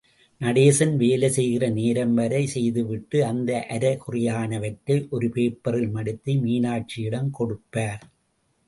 நடேசன் வேலை செய்கிற நேரம் வரை செய்துவிட்டு, அந்த அரைகுறையானவற்றை, ஒரு பேப்பரில் மடித்து மீனாட்சியிடம் கொடுப்பார்.